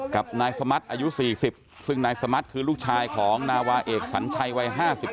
กับนายสมัติอายุ๔๐ซึ่งนายสมัติคือลูกชายของนาวาเอกสัญชัยวัย๕๓